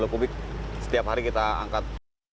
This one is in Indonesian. lima puluh kubik setiap hari kita angkat